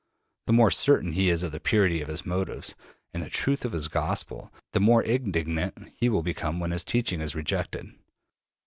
The more certain he is of the purity of his motives and the truth of his gospel, the more indignant he will become when his teaching is rejected.